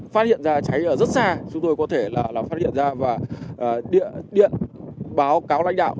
phát hiện ra cháy ở rất xa chúng tôi có thể là phát hiện ra và điện báo cáo lãnh đạo